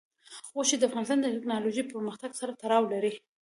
غوښې د افغانستان د تکنالوژۍ پرمختګ سره تړاو لري.